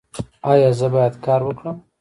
ایا زه باید کار وکړم؟